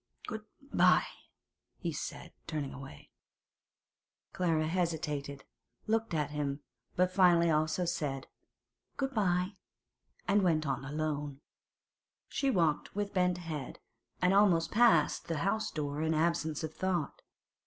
'Good bye,' he said, turning away. Clara hesitated, looked at him, but finally also said 'Good bye,' and went on alone. She walked with bent head, and almost passed the house door in absence of thought.